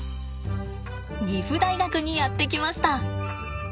岐阜大学にやって来ました。